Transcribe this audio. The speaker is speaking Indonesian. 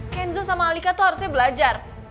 kenzo sama alika tuh harusnya belajar